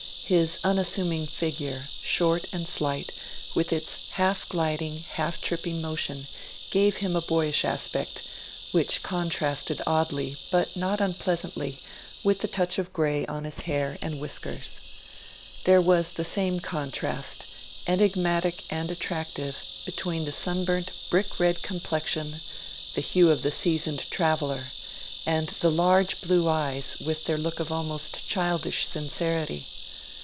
His unassuming figure, short and slight, with its half gliding, half tripping motion, gave him a boyish aspect, which contrasted, oddly, but not unpleasantly, with the touch of grey on his hair and whiskers. There was the same contrast enigmatic and attractive between the sunburnt brick red complexion the hue of the seasoned traveller and the large blue eyes, with their look of almost childish sincerity.